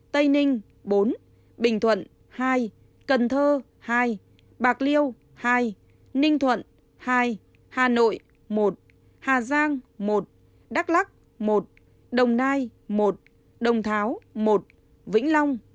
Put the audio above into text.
tây ninh bốn bình thuận hai cần thơ hai bạc liêu hai ninh thuận hai hà nội một hà giang một đắk lắc một đồng nai một đồng tháo một vĩnh long